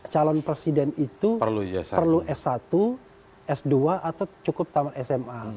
calon presiden itu perlu s satu s dua atau cukup tamat sma